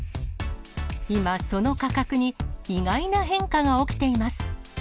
今、その価格に、意外な変化が起きています。